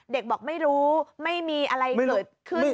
เด็กบอกไม่รู้ไม่มีอะไรเกิดขึ้น